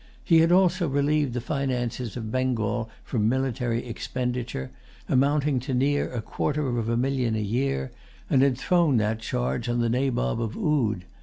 He had also relieved the finances of Bengal from military expenditure, amounting to near a quarter of a million a year, and had thrown that charge on the Nabob of Oude.